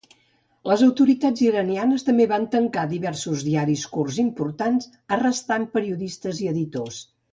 Les autoritats iranianes també van tancar diversos diaris kurds importants, arrestant a periodistes i editors.